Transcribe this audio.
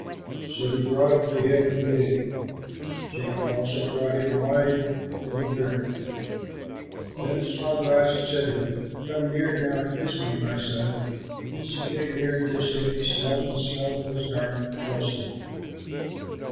So he brought it to him, and he ate. Jacob also brought him wine, and he drank. Then his father Isaac said to him, "Come near now and kiss me, my son." As he came near and kissed him, he smelled the smell of his garment, and blessed him.